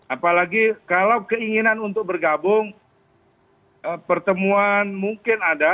apalagi kalau keinginan untuk bergabung pertemuan mungkin ada